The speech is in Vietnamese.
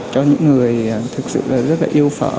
cho những người thực sự là rất là yêu phở